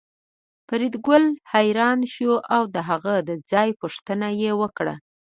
فریدګل حیران شو او د هغه د ځای پوښتنه یې وکړه